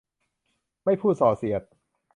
ไม่พูดส่อเสียด